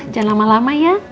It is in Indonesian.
jangan lama lama ya